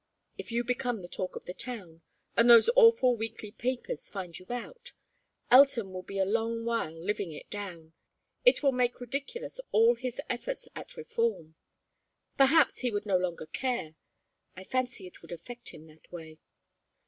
If you become the talk of the town, and those awful weekly papers find you out, Elton will be a long while living it down. It will make ridiculous all his efforts at reform. Perhaps he would no longer care. I fancy it would affect him that way."